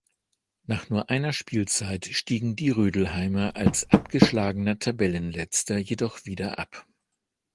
Nach nur einer Spielzeit stiegen die Rödelheimer als abgeschlagener Tabellenletzter jedoch wieder ab.